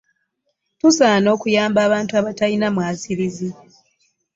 Tusaana okuyamba abantu abatalina mwasirizi.